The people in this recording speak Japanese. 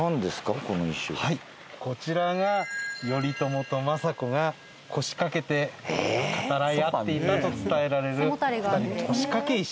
はいこちらが頼朝と政子が腰掛けて語らい合っていたと伝えられる腰掛け石。